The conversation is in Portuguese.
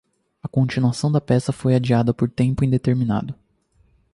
A continuação da peça foi adiada por tempo indeterminado.